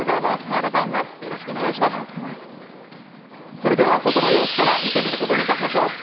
それでは外の様子から見てみることにいたしましょう。